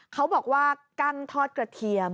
เขาบอกว่ากั้งทอดกระเทียม